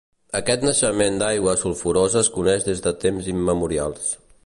Aquest naixement d'aigua sulfurosa es coneix des de temps immemorials.